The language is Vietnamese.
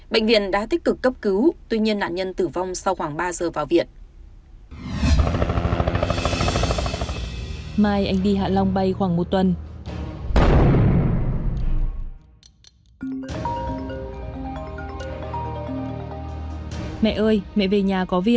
bệnh viện đã tích cực cấp cứu tuy nhiên nạn nhân tử vong sau khoảng ba giờ vào viện